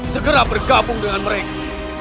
segera bergabung dengan mereka